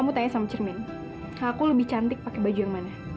kamu tanya sama cermin aku lebih cantik pakai baju yang mana